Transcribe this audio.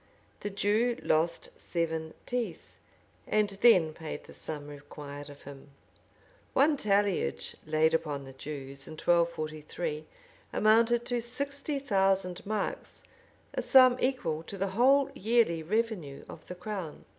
The Jew lost seven teeth, and then paid the sum required of him.[] One talliage laid upon the Jews, in 1243, amounted to sixty thousand marks;[] a sum equal to the whole yearly revenue of the crown.